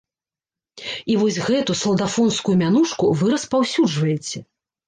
І вось гэту салдафонскую мянушку вы распаўсюджваеце.